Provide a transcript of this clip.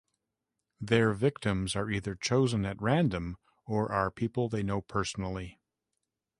Their victims are either chosen at random or are people they know personally.